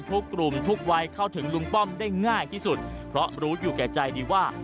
ทุกกลุ่มทุกวัยเข้าถึงลุงป้อมได้ง่ายที่สุดเพราะรู้อยู่แก่ใจดีว่า